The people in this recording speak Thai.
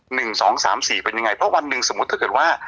หนึ่งสองสามสี่เป็นยังไงเพราะวันหนึ่งสมมุติถ้าเกิดว่า